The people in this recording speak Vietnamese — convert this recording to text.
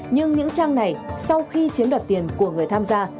nhưng những trang này sau khi chiếm đoạt tiền của người tham gia